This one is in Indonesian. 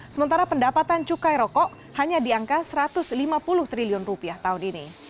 sementara pendapatan cukai rokok hanya di angka rp satu ratus lima puluh triliun rupiah tahun ini